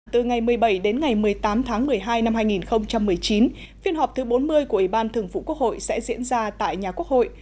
từ ngày một mươi bảy đến ngày một mươi tám tháng một mươi hai năm hai nghìn một mươi chín phiên họp thứ bốn mươi của ủy ban thường vụ quốc hội sẽ diễn ra tại nhà quốc hội